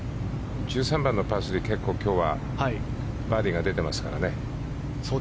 １３番のパー３結構、今日はバーディーが出てますからね。